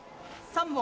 ３本。